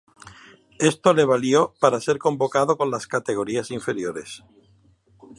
Esto le valió para ser convocado con las categorías inferiores.